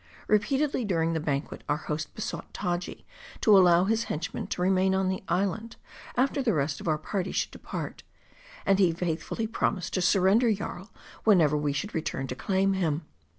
Repeatedly during the banquet, our host besought Taji to allow his henchman to remain on the island, after the rest of our party should depart ; and he faithfully promised to surrender Jarl, whenever we should return to claim him.